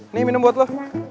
nih minum buat lo